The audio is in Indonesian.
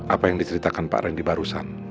apa yang diceritakan pak randy barusan